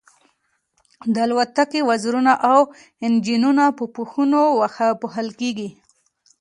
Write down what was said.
د الوتکې وزرونه او انجنونه په پوښونو پوښل کیږي